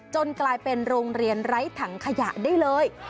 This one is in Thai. กลายเป็นโรงเรียนไร้ถังขยะได้เลย